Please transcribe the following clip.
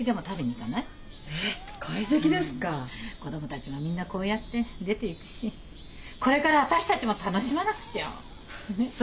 子供たちはみんなこうやって出ていくしこれからは私たちも楽しまなくちゃねっ？